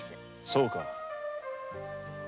そうか。